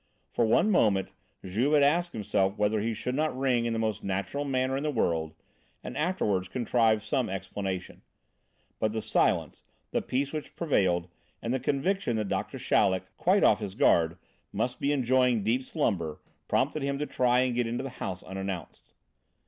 For one moment Juve had asked himself whether he should not ring in the most natural manner in the world, and afterwards contrive some explanation; but the silence, the peace which prevailed and the conviction that Doctor Chaleck, quite off his guard, must be enjoying deep slumber, prompted him to try and get into the house unannounced.